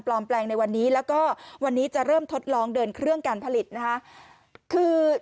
แปลงในวันนี้แล้วก็วันนี้จะเริ่มทดลองเดินเครื่องการผลิตนะคะคือ